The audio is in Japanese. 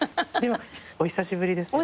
お久しぶりですね。